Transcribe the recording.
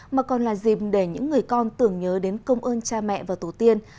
mà còn là dịp để những người con tưởng nhớ đến công ơn cha mẹ và tổ tiên